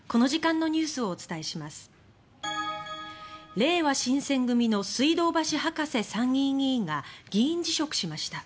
れいわ新選組の水道橋博士参議院議員が議員辞職しました。